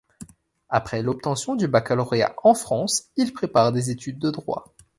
Après l'obtention du Baccalauréat en France, il prépare des études de droit.